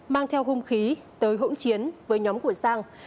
mang theo hung khí tới hỗn chiến với nhóm của sang